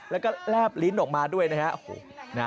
แล้วก็แลบลิ้นออกมาด้วยนะครับ